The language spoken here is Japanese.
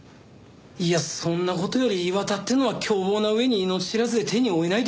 いやそんな事より岩田ってのは凶暴な上に命知らずで手に負えないですよ。